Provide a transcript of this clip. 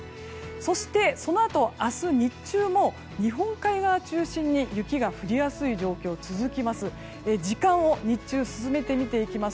そして、そのあと明日の日中も日本海側中心に雪が降りやすい状況が続きます。